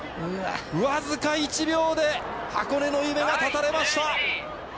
僅か１秒で箱根の夢が絶たれました。